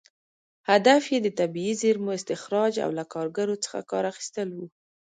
هدف یې د طبیعي زېرمو استخراج او له کارګرو څخه کار اخیستل و.